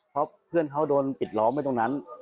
เพราะเพื่อนเขาโดนปิดล้อมไว้ตรงนั้น